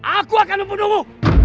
aku akan membunuhmu